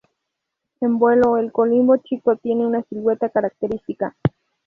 En vuelo el colimbo chico tiene una silueta característica.